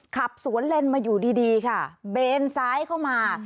ขับสวนเลนมาอยู่ดีดีค่ะเบนซ้ายเข้ามา